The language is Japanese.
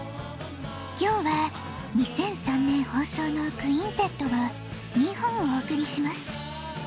今日は２００３年ほうそうの「クインテット」を２本おおくりします。